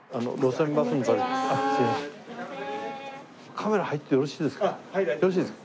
カメラ入ってよろしいですか？